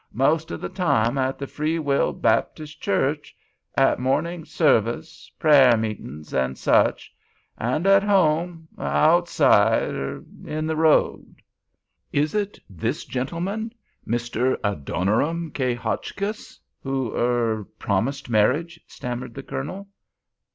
Most of the time at the Free Will Baptist church—at morning service, prayer meetings, and such. And at home—outside—er—in the road." "Is it this gentleman—Mr. Adoniram K. Hotchkiss—who—er—promised marriage?" stammered the Colonel.